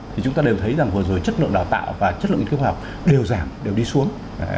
thì chúng ta đều thấy rằng vừa rồi chất lượng đào tạo và chất lượng nghiên cứu khoa học đều giảm đều đi xuống